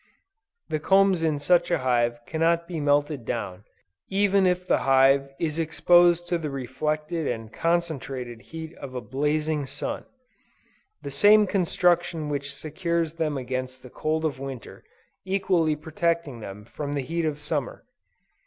The combs in such a hive cannot be melted down, even if the hive is exposed to the reflected and concentrated heat of a blazing sun: the same construction which secures them against the cold of Winter, equally protecting them from the heat of Summer.